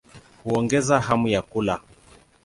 Huongeza hamu ya kula.